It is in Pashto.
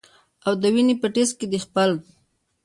او د وینې پۀ ټېسټ کښې دې د خپل